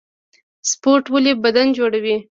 سپورټ ولې بدن جوړوي؟